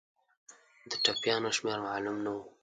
د ټپیانو شمېر معلوم نه وو.